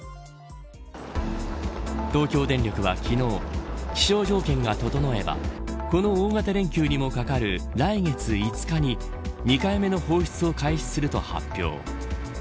東京電力は昨日気象条件が整えばこの大型連休にもかかる来月５日に２回目の放出を開始すると発表。